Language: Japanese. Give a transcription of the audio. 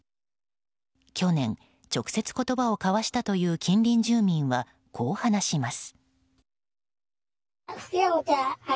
去年、直接言葉を交わしたという近隣住民はこう話します。